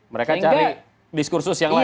mereka cari diskursus yang lain